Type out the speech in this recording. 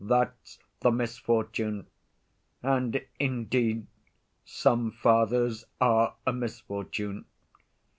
That's the misfortune. And indeed some fathers are a misfortune.